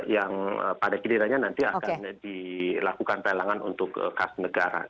yang pada kineranya nanti akan dilakukan pelanggan untuk khas negara